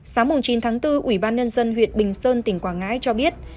sáng chín tháng bốn ủy ban nhân dân huyện bình sơn tỉnh quảng ngãi cho biết